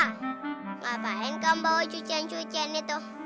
ngapain kamu bawa cucian cucian itu